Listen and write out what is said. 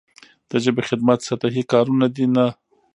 د ژبې خدمت سطحي کارونه دي نه.